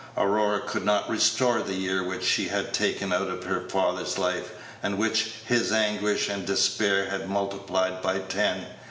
Aurora could not restore the year which she had taken out of her father's life, and which his anguish and despair had multiplied by ten.